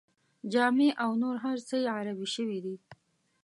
جامې او نور هر څه یې عربي شوي دي.